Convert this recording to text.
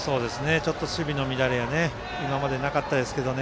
ちょっと守備の乱れが今までなかったですけどね。